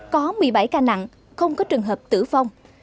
có một mươi bảy ca nặng không có trường hợp tử vong